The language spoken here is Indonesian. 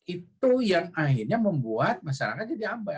itu yang akhirnya membuat masyarakat jadi abai